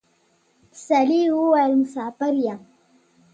سړي وويل: مساپر یم.